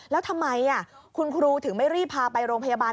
แล้วทำไมคุณครูถึงไม่รีบพาไปโรงพยาบาล